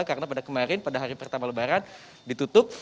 karena pada kemarin pada hari pertama lebaran ditutup